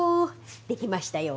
できましたよ。